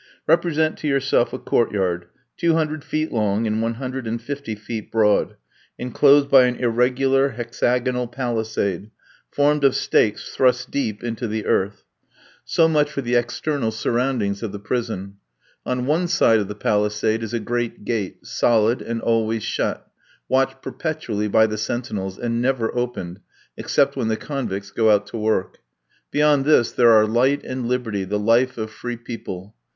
Represent to yourself a court yard, two hundred feet long, and one hundred and fifty feet broad, enclosed by an irregular hexagonal palisade, formed of stakes thrust deep into the earth. So much for the external surroundings of the prison. On one side of the palisade is a great gate, solid, and always shut; watched perpetually by the sentinels, and never opened, except when the convicts go out to work. Beyond this, there are light and liberty, the life of free people!